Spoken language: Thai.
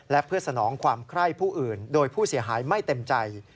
และเพื่อสนองความไคร้ผู้อื่นโดยผู้เสียหายไม่เต็มใจ